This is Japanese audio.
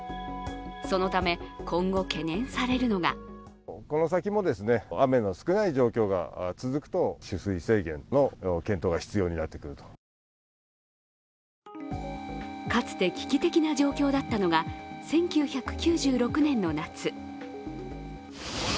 そのため、今後懸念されるのがかつて危機的な状況だったのが１９９６年の夏。